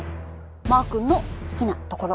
マー君の好きなところ。